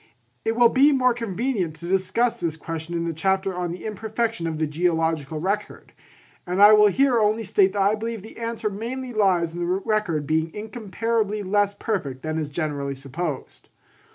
It will be more convenient to discuss this question in the chapter on the imperfection of the geological record; and I will here only state that I believe the answer mainly lies in the record being incomparably less perfect than is generally supposed.